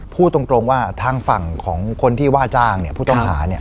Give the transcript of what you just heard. พูดตรงว่าทางฝั่งของคนที่ว่าจ้างผู้ต้องหา